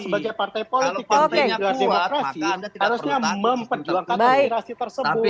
kalau partainya kuat maka anda tidak perlu takut